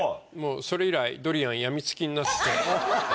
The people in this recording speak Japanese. それ以来ドリアン病みつきになって。